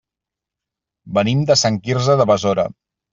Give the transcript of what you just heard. Venim de Sant Quirze de Besora.